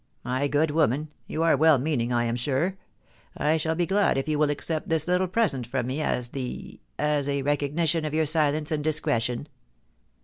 My good woman, you are well meaning I am sure. I shall be glad if you will accept this little present from me as the — as a recognition of your silence and discretion.'